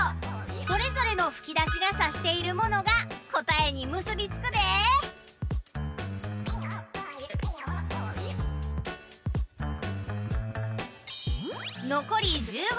それぞれのふきだしがさしているものがこたえにむすびつくでのこり１５